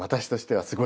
はい。